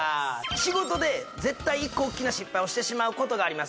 仕事で絶対１個大きな失敗をしてしまうことがあります